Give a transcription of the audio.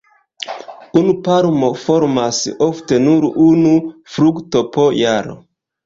Unu palmo formas ofte nur unu frukto po jaro.